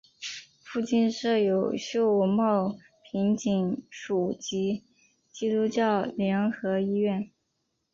附近设有秀茂坪警署及基督教联合医院。